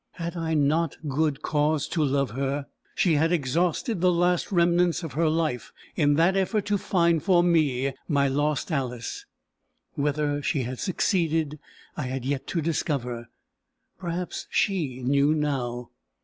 Had I not good cause to love her? She had exhausted the last remnants of her life in that effort to find for me my lost Alice. Whether she had succeeded I had yet to discover. Perhaps she knew now.